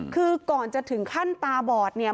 คือก่อนจะถึงขั้นตาบอดเนี่ย